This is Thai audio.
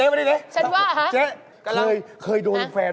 พ่อเจน